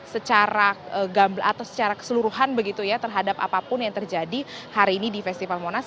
secara keseluruhan begitu ya terhadap apapun yang terjadi hari ini di festival monas